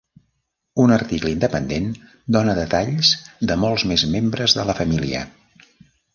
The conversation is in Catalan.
Un article independent dona detalls de molts més membres de la família.